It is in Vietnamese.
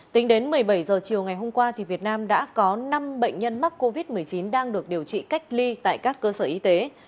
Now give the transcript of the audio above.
tính đến một mươi bảy h chiều ngày hôm qua việt nam đã có năm bệnh nhân mắc covid một mươi chín đang được điều trị cách ly tại các cơ sở y tế